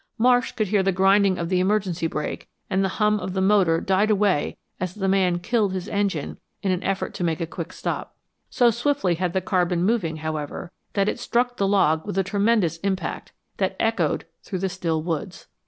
Marsh could hear the grinding of the emergency brake; and the hum of the motor died away as the man "killed" his engine in his effort to make a quick stop. So swiftly had the car been moving, however, that it struck the log with a tremendous impact which echoed through the still woods.